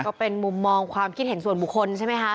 ก็เป็นมุมมองความคิดเห็นส่วนบุคคลใช่ไหมคะ